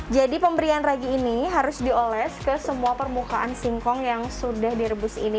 jadi pemberian ragi ini harus dioles ke semua permukaan singkong yang sudah direbus ini